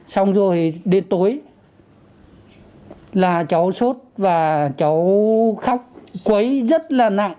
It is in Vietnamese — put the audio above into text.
xong rồi đến tối là cháu sốt và cháu khóc quấy rất là nặng